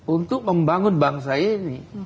untuk membangun bangsa ini